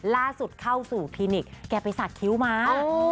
ล่าสุดเข้าสู่คลินิกแกไปสักคิ้วมา